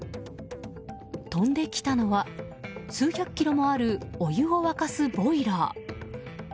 飛んできたのは、数百キロもあるお湯を沸かすボイラー。